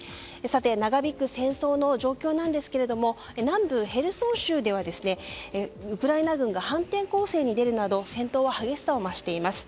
長引く戦争の状況なんですが南部ヘルソン州ではウクライナ軍が反転攻勢に出るなど戦闘は激しさを増しています。